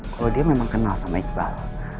kalau dia memang kenal sama iqbal